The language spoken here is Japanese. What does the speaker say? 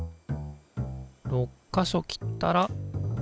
６か所切ったらできた！